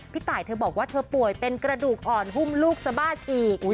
ตายเธอบอกว่าเธอป่วยเป็นกระดูกอ่อนหุ้มลูกสบาฉีก